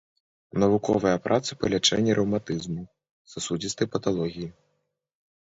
Навуковыя працы па лячэнні рэўматызму, сасудзістай паталогіі.